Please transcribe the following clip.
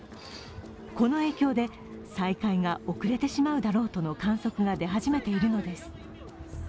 この影響で再開が遅れてしまうだろうとの観測が出始めているのです。